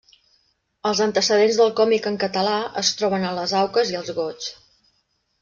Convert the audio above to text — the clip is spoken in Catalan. Els antecedents del còmic en català, es troben a les Auques i els Goigs.